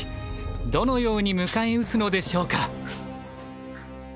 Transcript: どのように迎え撃つのでしょうか。